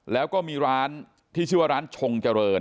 แล้วก็มีร้านที่ชื่อว่าร้านชงเจริญ